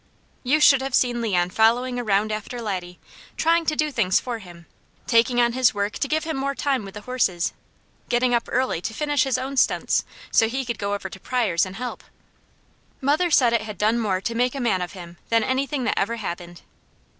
You should have seen Leon following around after Laddie, trying to do things for him, taking on his work to give him more time with the horses, getting up early to finish his own stunts, so he could go over to Pryors' and help. Mother said it had done more to make a man of him than anything that ever happened.